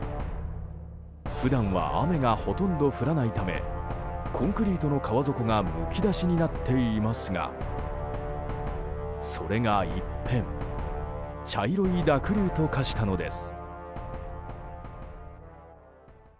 普段は雨がほとんど降らないためコンクリートの川底がむき出しになっていますがそれが一変茶色い濁流と化したのです。